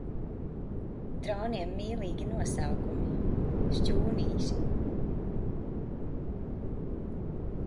Droniem mīlīgi nosaukumi. Šķūnīši.